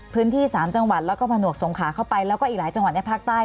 พื้นที่๓จังหวัดแล้วก็ผนวกสงขาเข้าไปแล้วก็อีกหลายจังหวัดในภาคใต้